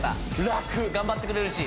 楽頑張ってくれるし？